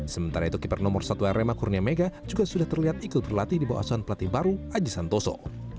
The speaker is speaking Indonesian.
sementara itu keeper nomor satu arema kurnia mega juga sudah terlihat ikut berlatih di bawah asuhan pelatih baru aji santoso